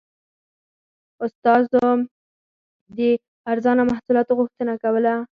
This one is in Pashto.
استازو د ارزانه محصولاتو غوښتنه کوله.